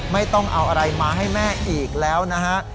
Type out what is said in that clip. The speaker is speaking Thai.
ไม่ต้องเอาอะไรมาให้แม่อีกแล้วนะฮะ